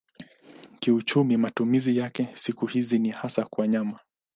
Kiuchumi matumizi yake siku hizi ni hasa kwa nyama.